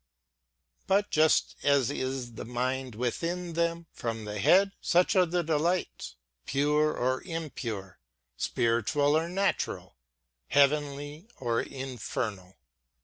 But just as is the mind within them, from the head, such are the delights, ŌĆö pure or impure, spiritual or natural, heavenly or infernal.